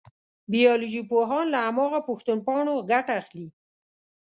بیولوژي پوهان له هماغه پوښتنپاڼو ګټه اخلي.